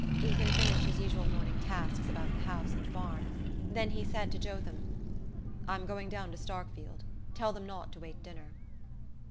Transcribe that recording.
Ethan finished his usual morning tasks about the house and barn; then he said to Jotham: "I'm going down to Starkfield. Tell them not to wait dinner."